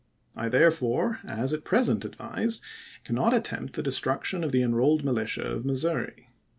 I therefore, as at present advised, chap.viii. cannot attempt the destruction of the " Enrolled Militia " of Missouri.